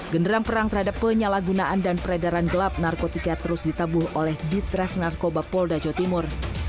genderang perang terhadap penyalahgunaan dan peredaran gelap narkotika terus ditabuh oleh ditres narkoba polda jawa timur